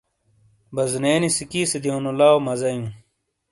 بازونے نی سکی سے دیونو لاؤ مزا ایوں ۔